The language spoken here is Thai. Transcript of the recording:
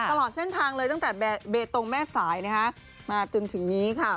ตลอดเส้นทางเลยตั้งแต่เบตงแม่สายนะคะมาจนถึงนี้ค่ะ